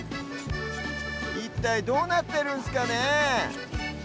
いったいどうなってるんすかね。